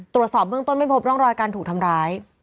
ตรวจสอบเบื้องต้นไม่พบร่องรอยการถูกทำร้าย